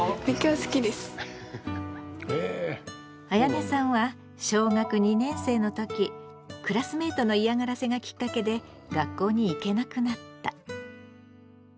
あやねさんは小学２年生の時クラスメートの嫌がらせがきっかけで学校に行けなくなった。